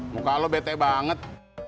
muka lo bete banget